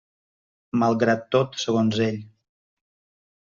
Malgrat tot segons ell.